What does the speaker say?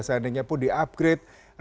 seandainya pun diupgrade rakyat kereta yang lain